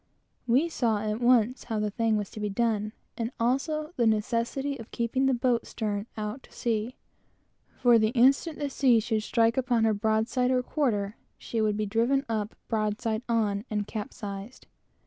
We saw, at once, how it was to be done, and also the necessity of keeping the boat "stern on" to the sea; for the instant the sea should strike upon her broad side or quarter, she would be driven up broad side on, and capsized.